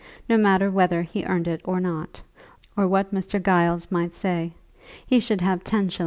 No matter whether he earned it or not, or what Mr. Giles might say, he should have ten shillings a week.